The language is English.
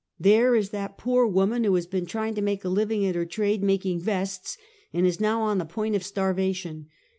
There is that poor woman who has been trying to make a living at her trade making vests, and is now on the point of starvation.